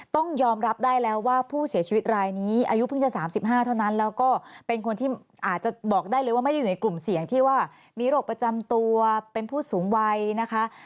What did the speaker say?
ต้องยอมรับได้แล้วว่าผู้เสียชีวิตรายนี้อายุเพิ่งจะ๓๕เท่านั้นแล้วก็เป็นคนที่อาจจะบอกได้เลยว่าไม่ได้อยู่ในกลุ่มเสี่ยงที่ว่ามีโรคประจำตัวเป็นผู้สูงวัยนะคะ